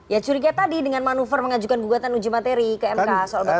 ya curiga tadi dengan manuver mengajukan gugatan uji materi ke mk soal bagaimana